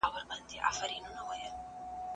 د هغې استعداد باید ضایع نه سي.